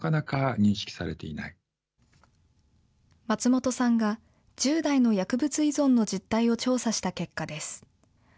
松本さんが１０代の薬物依存の実態を調査した結果です。